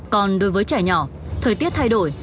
còn đối với trẻ nhỏ thời tiết thay đổi